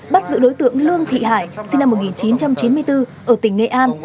bắt giữ đối tượng lương thị hải sinh năm một nghìn chín trăm chín mươi bốn ở tỉnh nghệ an